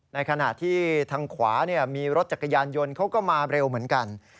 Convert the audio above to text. ในขณะที่ทางขวามีรถจักรยานยนต์เขาก็มาเร็วเหมือนกัน